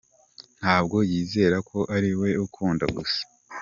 Ntabwo yizera ko ari we ukunda gusa.